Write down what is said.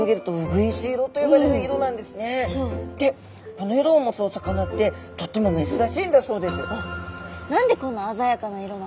この色を持つお魚ってとっても珍しいんだそうです。